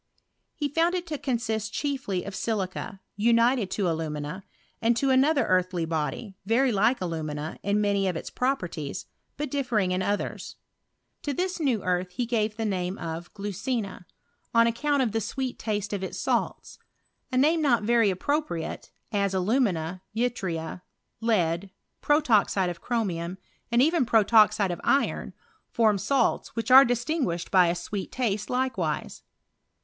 He found it ta consist chiefly of silica, united to alumina, and to another earthy body, very like alumina in many of its properties, but differing in others. To this new earth he gave the name of gluciva, on account of the sweet taste of its salts; a name not very appro priate, as alumina, yttria, lead, protoxide of chro mium, and even protoxide of iron, form salts which PROGRESS OF ANALYTICAL CHEMISTRY. 215 are distinguished by a sweet taste likewise.